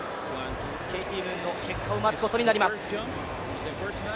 ケイティ・ムーンの結果を待つことになります。